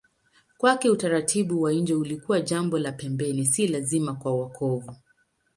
Kwake utaratibu wa nje ulikuwa jambo la pembeni, si lazima kwa wokovu.